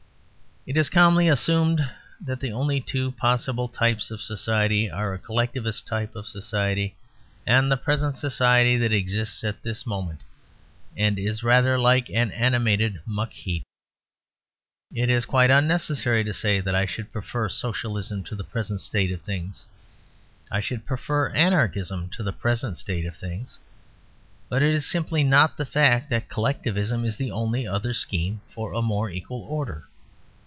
It is calmly assumed that the only two possible types of society are a Collectivist type of society and the present society that exists at this moment and is rather like an animated muck heap. It is quite unnecessary to say that I should prefer Socialism to the present state of things. I should prefer anarchism to the present state of things. But it is simply not the fact that Collectivism is the only other scheme for a more equal order.